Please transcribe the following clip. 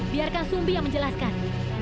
biarkan sumbi yang menjelaskan